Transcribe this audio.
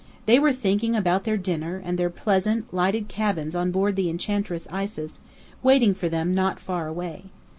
They were thinking about their dinner, and their pleasant, lighted cabins on board the Enchantress Isis, waiting for them not far away.